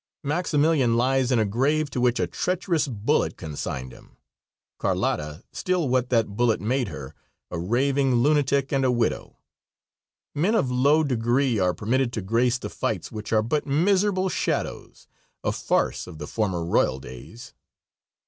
Maximilian lies in a grave to which a treacherous bullet consigned him; Carlotta, still what that bullet made her, a raving lunatic and a widow. Men of low degree are permitted to grace the fights, which are but miserable shadows, a farce of the former royal days.